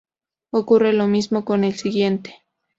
Ocurre lo mismo con el siguiente.